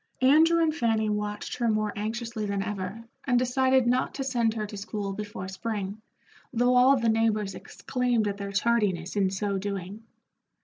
Andrew and Fanny watched her more anxiously than ever, and decided not to send her to school before spring, though all the neighbors exclaimed at their tardiness in so doing.